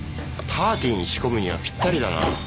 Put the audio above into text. パーティーに仕込むにはぴったりだな。